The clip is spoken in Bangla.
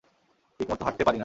ঠিকমতো হাঁটতে পারি না।